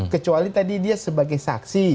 kecuali tadi dia sebagai saksi